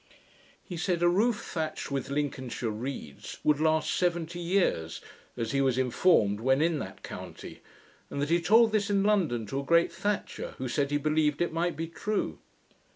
He said, a roof thatched with Lincolnshire reeds would last seventy years, as he was informed when in that county; and that he told this in London to a great thatcher, who said, he believed it might be true.